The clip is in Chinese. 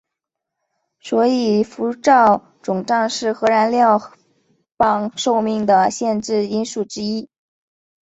所以辐照肿胀是核燃料棒寿命的限制因素之一。